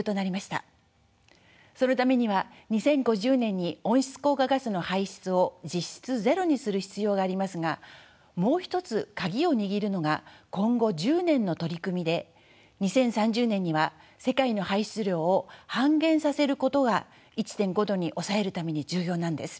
そのためには２０５０年に温室効果ガスの排出を実質ゼロにする必要がありますがもう一つ鍵を握るのが今後１０年の取り組みで２０３０年には世界の排出量を半減させることが１．５度に抑えるために重要なのです。